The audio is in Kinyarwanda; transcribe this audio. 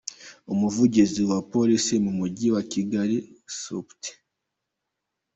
Umuvugizi wa Polisi mu mujyi wa Kigali , Supt.